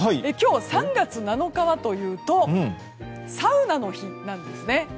今日、３月７日というとサウナの日なんですね。